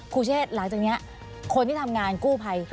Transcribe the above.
เชศหลังจากนี้คนที่ทำงานกู้ภัย